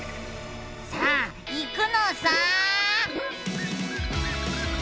さあいくのさ！